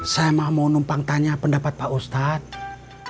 saya mau numpang tanya pendapat pak ustadz